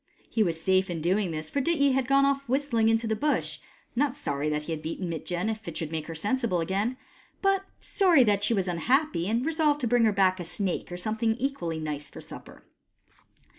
He was safe in doing this, for Dityi had gone off whistling into the Bush — not sorry that he had beaten Mitjen, if it should make her sensible again, but sorry that she was unhappy, and resolved to bring her back a snake or something equally nice for supper.